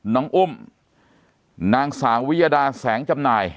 น้องอุ้มนางสาววิยดาแสงจำหน่าย